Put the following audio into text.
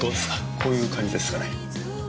こういう感じですかね？